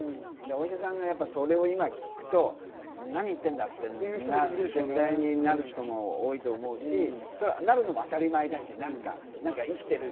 お医者さんがそれを今聞くと何言ってんだって絶対になる人も多いと思うし、なるのも当たり前だし、生きている。